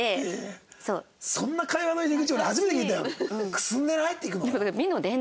「くすんでない？」っていくの？